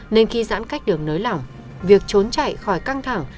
nên khi giãn cách được nới lỏng việc trốn chạy khỏi căng thẳng